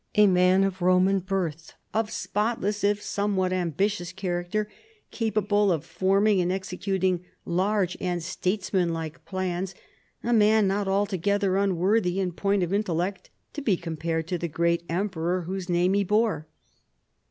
a man of Roman birth, of spot less if somewhat ambitious character, capable of forming and executing large and statesmanlike plans, • a man not altogether unworthy in point of intellect to be compared to the great Emperor whose name he bore.